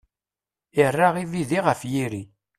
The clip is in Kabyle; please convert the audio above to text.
Irra ibidi ɣef yiri.